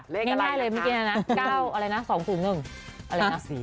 ไม่แพ้เลยเมื่อกี้น่ะนะ